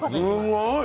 すごい！